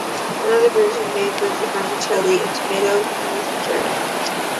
Another version made with Vermicelli and tomato, peas and carrot.